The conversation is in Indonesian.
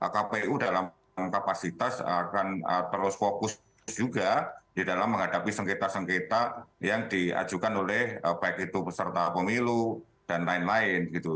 kpu dalam kapasitas akan terus fokus juga di dalam menghadapi sengketa sengketa yang diajukan oleh baik itu peserta pemilu dan lain lain gitu